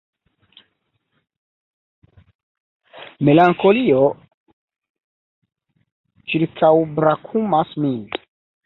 Melankolio ĉirkaŭbrakumas min.